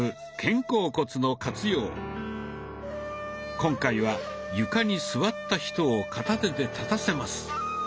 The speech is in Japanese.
今回は床に座った人を片手で立たせます。